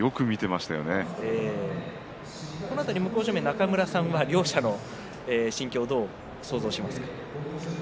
向正面の中村さんは両者の心境をどう想像しますか。